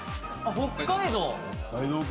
北海道か。